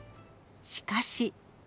しかし。